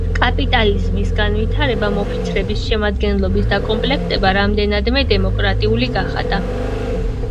კაპიტალიზმის განვითარებამ ოფიცრების შემადგენლობის დაკომპლექტება რამდენადმე დემოკრატიული გახადა.